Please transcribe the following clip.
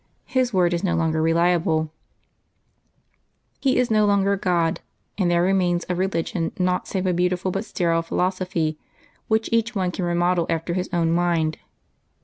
His word is no longer reliable, He is no longer God, and there remains of religion naught save a beautiful but sterile philosophy, which each one can remodel after his own mind.